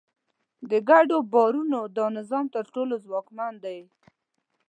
د ګډو باورونو دا نظام تر ټولو ځواکمن دی.